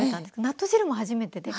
納豆汁も初めてで。